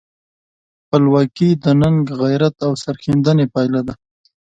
خپلواکي د ننګ، غیرت او سرښندنې پایله ده.